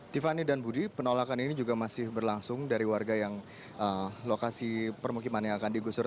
tiffany dan budi penolakan ini juga masih berlangsung dari warga yang lokasi permukiman yang akan digusur